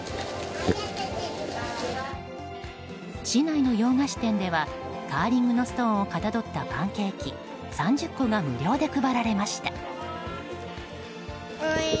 市内の洋菓子店ではカーリングのストーンをかたどったパンケーキ３０個が無料で配られました。